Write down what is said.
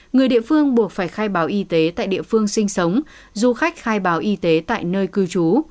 người địa phương buộc phải khai báo y tế tại địa phương sinh sống du khách khai báo y tế tại nơi cư trú